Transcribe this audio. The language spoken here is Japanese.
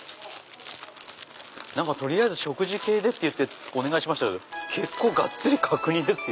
取りあえず食事系でっていってお願いしましたけど結構がっつり角煮ですよ。